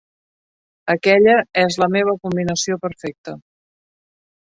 Aquella és la meva combinació perfecta.